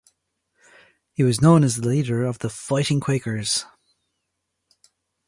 He was known as the leader of the "fighting Quakers".